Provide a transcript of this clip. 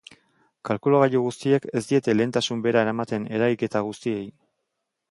Kalkulagailu guztiek ez diete lehentasun bera ematen eragiketa guztiei.